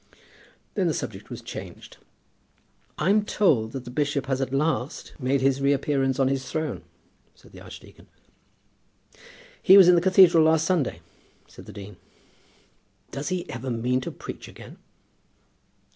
Then the subject was changed. "I'm told that the bishop has at last made his reappearance on his throne," said the archdeacon. "He was in the cathedral last Sunday," said the dean. "Does he ever mean to preach again?"